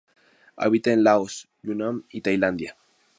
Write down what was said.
Habita en Laos, Yunnan y Tailandia.